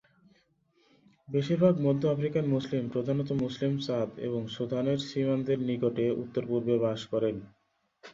বেশিরভাগ মধ্য আফ্রিকান মুসলিম প্রধানত মুসলিম চাদ এবং সুদানের সীমান্তের নিকটে উত্তর-পূর্বে বাস করেন।